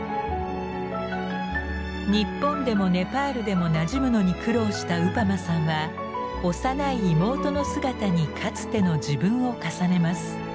日本でもネパールでもなじむのに苦労したウパマさんは幼い妹の姿にかつての自分を重ねます。